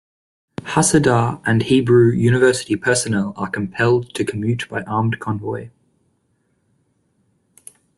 Hadassah and Hebrew University personnel are compelled to commute by armed convoy.